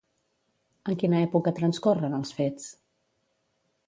En quina època transcorren els fets?